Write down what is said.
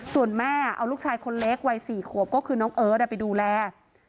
ส่วนแม่เอาลูกชายคนเล็กวัย๔ขวบก็คือน้องเอิร์ทไปดูแล